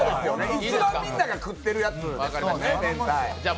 一番みんなが食ってるやつ。